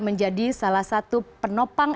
menjadi salah satu penopang